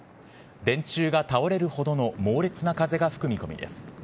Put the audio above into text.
電柱が倒れるほどの猛烈な風が吹く見込みです。